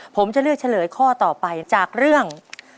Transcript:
ผมจะเลือกเฉลยข้อต่อไปจากเรื่อง